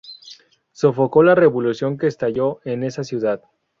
Sofocó la revolución que estalló en esa ciudad.